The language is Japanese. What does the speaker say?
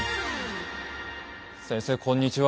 先生こんにちは。